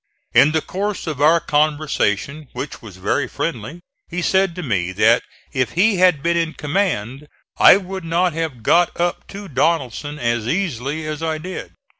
In the course of our conversation, which was very friendly, he said to me that if he had been in command I would not have got up to Donelson as easily as I did.